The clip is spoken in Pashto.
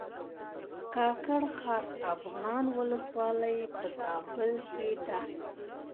کاکړ خاک افغان ولسوالۍ په زابل کښې ده